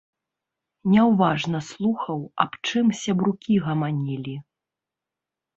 Няўважна слухаў, аб чым сябрукі гаманілі.